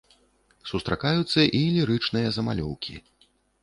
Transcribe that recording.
Сустракаюцца і лірычныя замалёўкі.